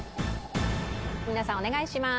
皆さんお願いしまー